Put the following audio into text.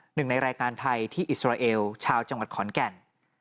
หนึ่งในแรงงานไทยที่อิสราเอลชาวจังหวัดขอนแก่น